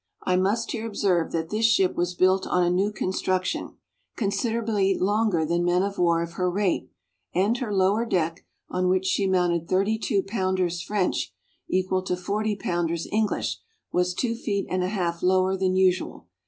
I must here observe, that this ship was built on a new construction, considerably longer than men of war of her rate, and her lower deck, on which she mounted thirty two pounders French, equal to forty pounders English, was two feet and a half lower than usual.